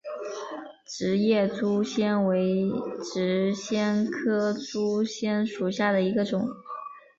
直叶珠藓为珠藓科珠藓属下的一个种。